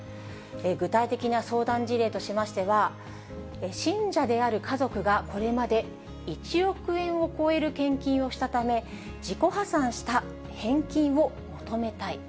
具体的な相談事例としましては、信者である家族がこれまで１億円を超える献金をしたため、自己破産した、返金を求めたい。